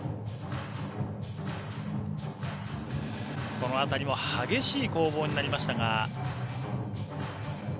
この辺りも激しい攻防になりましたが。